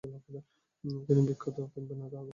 তিনি বিখ্যাত কাপ্টাইন তারা আবিষ্কার করেন।